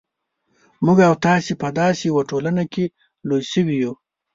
موږ او تاسې په داسې یوه ټولنه کې لوی شوي یو.